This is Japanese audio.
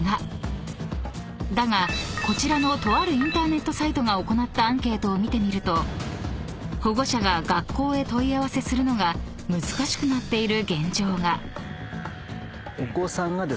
［だがこちらのとあるインターネットサイトが行ったアンケートを見てみると保護者が学校へ問い合わせするのが難しくなっている現状が］